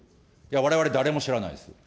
われわれ誰も知らないです。